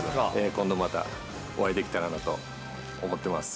今度また、お会いできたらなと思ってます。